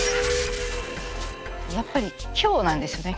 やっぱり今日なんですよね。